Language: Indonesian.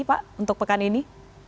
pak untuk pekan ini